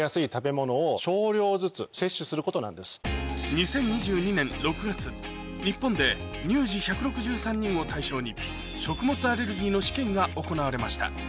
２０２２年６月日本で乳児１６３人を対象に食物アレルギーの試験が行われました